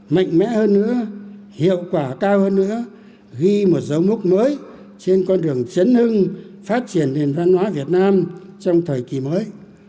mạnh mẽ hơn nữa hiệu quả cao hơn nữa ghi một dấu mốc mới trên con đường chấn hưng phát triển nền văn hóa việt nam trong thời kỳ mới